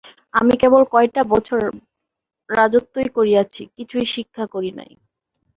আমি কেবল কয়টা বৎসর রাজত্বই করিয়াছি, কিছুই শিক্ষা করি নাই।